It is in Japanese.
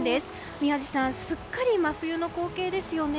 宮司さん、すっかりと真冬の光景ですよね。